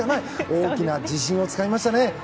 大きな自信をつかみましたね。